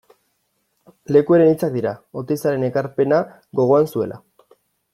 Lekueren hitzak dira, Oteizaren ekarpena gogoan zuela.